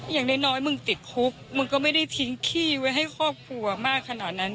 อย่างน้อยมึงติดคุกมึงก็ไม่ได้ทิ้งขี้ไว้ให้ครอบครัวมากขนาดนั้น